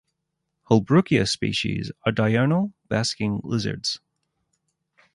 "Holbrookia" species are diurnal, basking lizards.